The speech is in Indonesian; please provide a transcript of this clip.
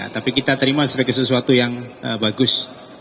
tapi kita terima sebagai sesuatu yang bagus